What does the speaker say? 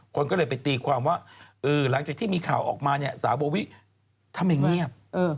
คนก็เลยไปตีความว่าหลังจากที่มีข่าวออกมาเนี่ยสาวโบวิทำไมเงียบ